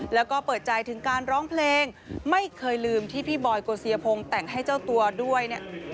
แล้วก็เปิดใจถึงการร้องเพลงไม่เคยลืมที่พี่บอยโกเซียพงศ์แต่งให้เจ้าตัวด้วยเนี่ย